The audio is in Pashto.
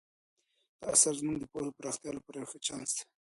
دا اثر زموږ د پوهې د پراختیا لپاره یو ښه چانس دی.